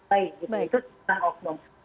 baik itu dan ofenum